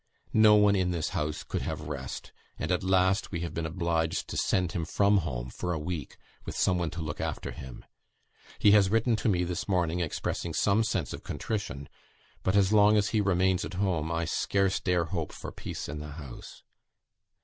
No one in this house could have rest; and, at last, we have been obliged to send him from home for a week, with some one to look after him. He has written to me this morning, expressing some sense of contrition ... but as long as he remains at home, I scarce dare hope for peace in the house.